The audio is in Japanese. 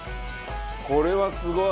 これはすごい！